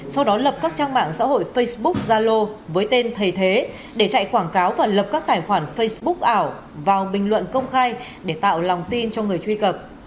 sau đó lập các trang mạng xã hội facebook zalo với tên thầy thế để chạy quảng cáo và lập các tài khoản facebook ảo vào bình luận công khai để tạo lòng tin cho người truy cập